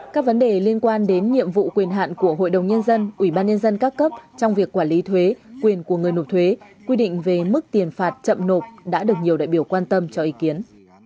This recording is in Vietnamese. các vấn đề liên quan đến nhiệm vụ quyền hạn của hội đồng nhân dân ủy ban nhân dân các cấp trong việc quản lý thuế quyền của người nộp thuế quy định về mức tiền phạt chậm nộp đã được nhiều đại biểu quan tâm cho ý kiến